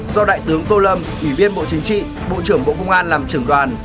do đại tướng tô lâm ủy viên bộ chính trị bộ trưởng bộ công an làm trưởng đoàn